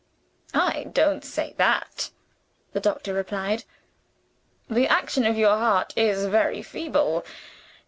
"I don't say that," the doctor replied. "The action of your heart is very feeble.